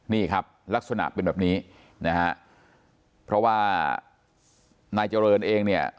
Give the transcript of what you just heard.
นี่ครับลักษณะเป็นแบบนี้นะฮะเพราะว่านายเจริญเองเนี่ย